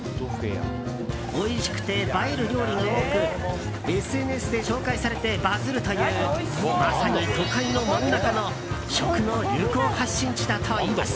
おいしくて映える料理が多くＳＮＳで紹介されてバズるというまさに都会の真ん中の食の流行発信地だといいます。